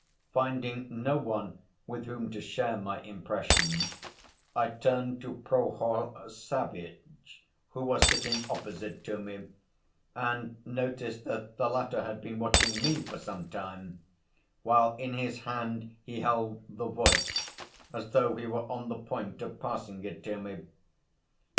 Finding no one with whom to share my impression, I turned to Prohor Savvitch who was sitting opposite to me, and noticed that the latter had been watching me for some time, while in his hand he held the Voice as though he were on the point of passing it to me.